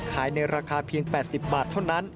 ในราคาเพียง๘๐บาทเท่านั้น